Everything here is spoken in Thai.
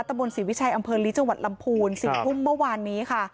บนศรีวิชัยอำเภอลีจังหวัดลำพูน๔ทุ่มเมื่อวานนี้ค่ะ